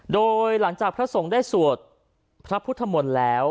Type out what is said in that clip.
โดยหลังจากพระสงฆ์ได้สวดพระพุทธมนต์แล้ว